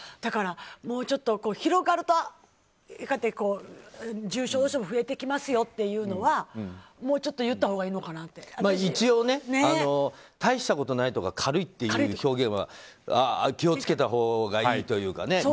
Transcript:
だから、もうちょっと広がると重症者も増えてきますよっていうのはもうちょっと一応、たいしたことないとか軽いっていう表現は気を付けたほうがいいというかね